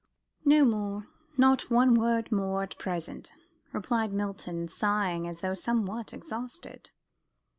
"No more. Not one word more at present," replied Milton, sighing as though somewhat exhausted.